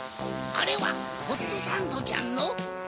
あれはホットサンドちゃんの！